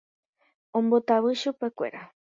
ombotavy chupekuéra